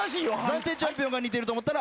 暫定チャンピオンが似てると思ったら赤。